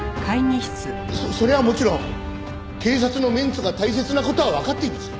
そそれはもちろん警察のメンツが大切な事はわかっています。